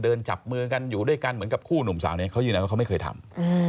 จับมือกันอยู่ด้วยกันเหมือนกับคู่หนุ่มสาวนี้เขายืนยันว่าเขาไม่เคยทำ